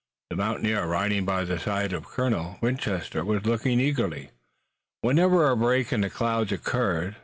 The mountaineer riding by the side of Colonel Winchester was looking eagerly, whenever a break in the clouds occurred.